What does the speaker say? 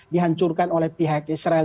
dihancurkan oleh pihak israel